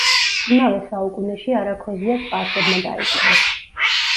იმავე საუკუნეში არაქოზია სპარსებმა დაიპყრეს.